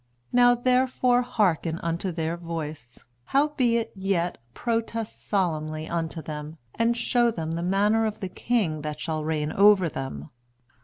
"... Now therefore hearken unto their voice: how beit yet protest solemnly unto them, and show them the manner of the king that shall reign over them."